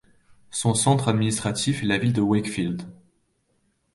Son centre administratif est la ville de Wakefield.